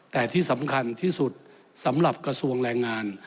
แต่ที่สำคัญที่สุดสำหรับกระทรวงแรงงาน